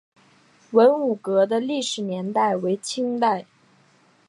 文武阁的历史年代为清代。